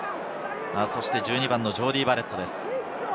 １２番のジョーディー・バレットです。